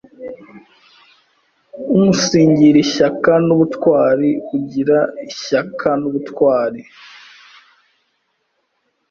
Umunsigira ishyaka n’ubutwari u gira is h ya ka n’u b utwari